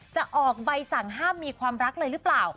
จะออกใบสั่งห้ามมีความรักเลยหรือเปล่า